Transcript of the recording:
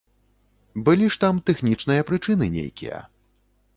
Былі ж там тэхнічныя прычыны нейкія.